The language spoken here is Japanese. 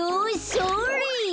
それ！